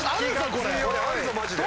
これあるぞマジで。